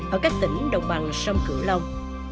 ở các tỉnh đồng bằng sông cửa lông